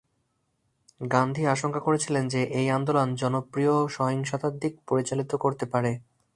গান্ধী আশঙ্কা করেছিলেন যে, এই আন্দোলন জনপ্রিয় সহিংসতার দিকে পরিচালিত করতে পারে।